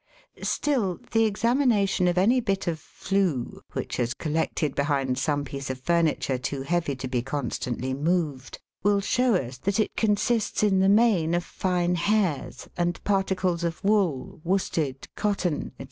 Still, the examination of any bit of " flue " which has collected behind some piece of furniture too heavy to be constantly moved, will show us that it consists in the main of fine hairs and particles of wool, worsted, cotton, &c.